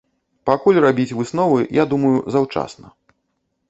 Пакуль рабіць высновы, я думаю, заўчасна.